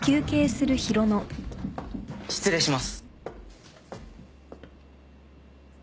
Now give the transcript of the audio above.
・失礼します。